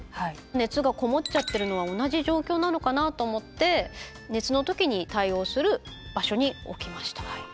熱が籠もっちゃってるのは同じ状況なのかなと思って熱の時に対応する場所に置きました。